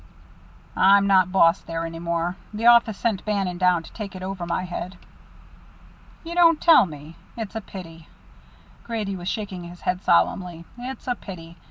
"I'm not boss there any longer. The office sent Bannon down to take it over my head." "You don't tell me that? It's a pity." Grady was shaking his head solemnly. "It's a pity.